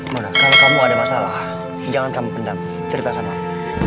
mona kalo kamu ada masalah jangan kamu pendam cerita sama aku